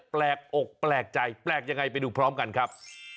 แปลกอกแปลกใจแปลกยังไงไปดูพร้อมกันครับ